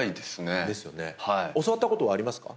教わったことはありますか？